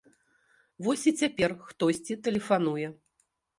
Вось і цяпер хтосьці тэлефануе.